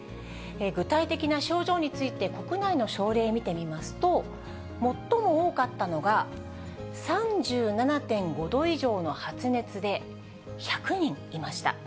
具体的な症状について、国内の症例見てみますと、最も多かったのが、３７．５度以上の発熱で１００人いました。